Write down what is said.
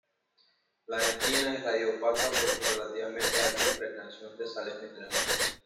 La dentina es radio-opaca por su relativamente alta impregnación de sales minerales.